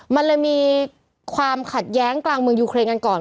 มันเลยมีความขัดแย้งกลางเมืองยูเครนกันก่อน